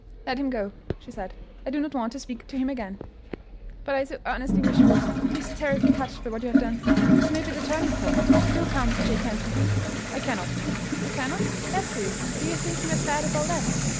"Let him go," she said. "I do not want to speak to him again." "But I so earnestly wish you would. He is terribly touched by what you have done. This may be the turning point. Do come and shake hands with him." "I cannot." "You cannot? Leslie, do you think him as bad as all that?"